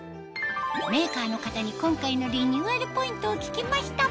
メーカーの方に今回のリニューアルポイントを聞きました